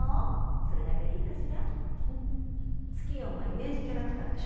ツキヨンはイメージキャラクターでしょ？